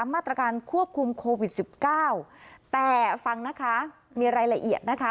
มาตรการควบคุมโควิดสิบเก้าแต่ฟังนะคะมีรายละเอียดนะคะ